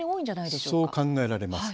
そう考えられます。